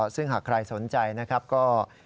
ซึ่งหากใครสนใจนะครับก็